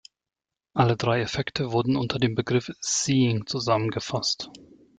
Alle drei Effekte werden unter dem Begriff Seeing zusammengefasst.